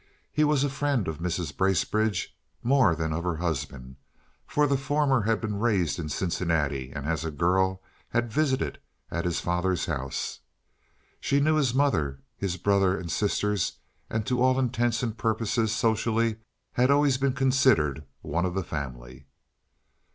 He was a friend of Mrs. Bracebridge more than of her husband, for the former had been raised in Cincinnati and as a girl had visited at his father's house. She knew his mother, his brother and sisters and to all intents and purposes socially had always been considered one of the family.